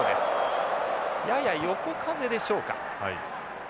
やや横風でしょうか。